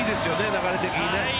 流れ的にね。